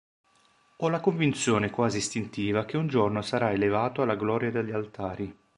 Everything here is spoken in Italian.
Ho la convinzione quasi istintiva che un giorno sarà elevato alla gloria degli altari.